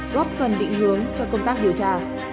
góp phần định hướng cho công tác điều tra